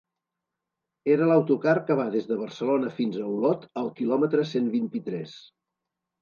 Era l'autocar que va des de Barcelona fins a Olot al km cent vint-i-tres.